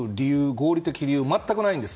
合理的理由は全くないんです。